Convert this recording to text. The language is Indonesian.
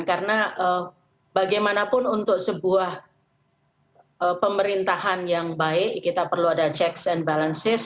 karena bagaimanapun untuk sebuah pemerintahan yang baik kita perlu ada checks and balances